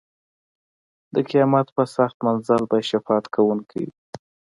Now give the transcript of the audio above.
د قیامت په سخت منزل به یې شفاعت کوونکی وي.